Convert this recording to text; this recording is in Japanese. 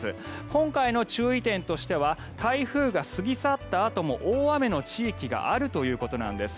今回の注意点としては台風が過ぎ去ったあとも大雨の地域があるということなんです。